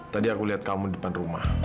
tadi aku lihat kamu di depan rumah